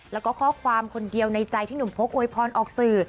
แล้วก็ข้อความคนเดียวในใจที่หนุ่มพกอวยพรออกสื่อ